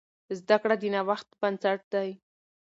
زده کړه د نوښت بنسټ دی.